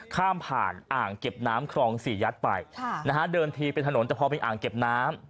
ข้ามผ่านอ่างเก็บน้ำครองสี่ยัดไปค่ะนะฮะเดินทีเป็นถนนแต่พอเป็นอ่างเก็บน้ำ